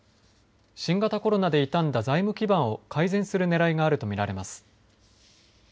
新型コロナで傷んだ財務基盤を改善するねらいがあると見られます。